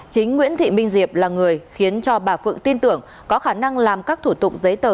chính nguyễn thị minh diệp là người khiến cho bà phượng tin tưởng có khả năng làm các thủ tục giấy tờ